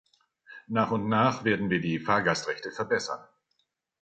Nach und nach werden wir die Fahrgastrechte verbessern.